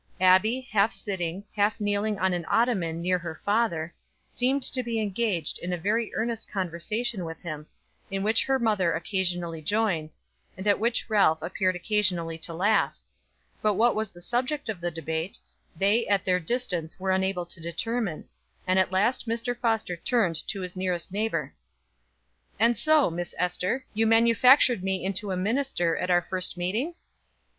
Abbie, half sitting, half kneeling on an ottoman near her father, seemed to be engaged in a very earnest conversation with him, in which her mother occasionally joined, and at which Ralph appeared occasionally to laugh; but what was the subject of debate they at their distance were unable to determine, and at last Mr. Foster turned to his nearest neighbor. "And so, Miss Ester, you manufactured me into a minister at our first meeting?"